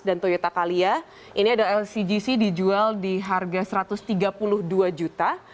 dan toyota calya ini adalah lcgc dijual di harga satu ratus tiga puluh dua juta